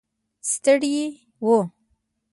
ستړي و.